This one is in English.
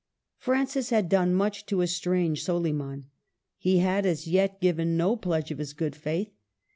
Francis had done much to estrange Soliman ; he had as yet given no pledge of his good faith.